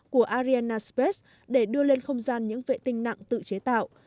của arian space để đưa lên không gian những vệ tinh nặng tự chế tạo